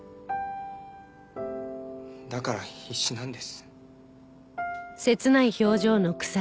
だから必死なんです。